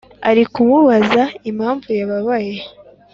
arikumubaza impamvu yababaye